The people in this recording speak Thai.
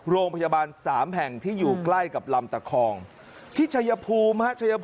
โรงพยาบาลสามแห่งที่อยู่ใกล้กับลำตะคองที่ชัยภูมิฮะ